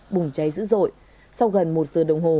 bùng cháy dữ dội sau gần một giờ đồng hồ